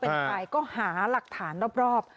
เป็นใครก็หาหลักฐานรอบ